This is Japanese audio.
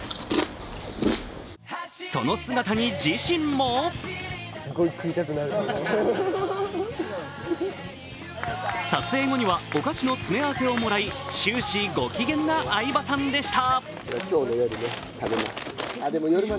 その姿に自身も撮影後には、お菓子の詰め合わせをもらい、終始ご機嫌な相葉さんでした。